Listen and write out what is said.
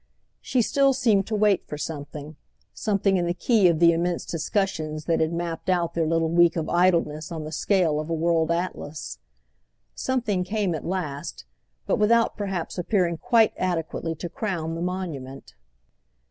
She still seemed to wait for something—something in the key of the immense discussions that had mapped out their little week of idleness on the scale of a world atlas. Something came at last, but without perhaps appearing quite adequately to crown the monument.